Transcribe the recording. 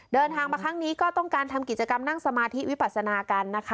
เดินทางมาครั้งนี้ก็ต้องการทำกิจกรรมนั่งสมาธิวิปัสนากันนะคะ